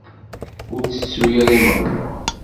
Ur ttettu ara imeɣban!